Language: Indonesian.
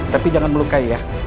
tapi jangan melukai ya